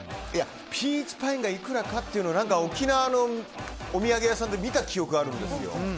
ピーチパインがいくらかっていうの沖縄のお土産屋さんで見た記憶があるんですよ。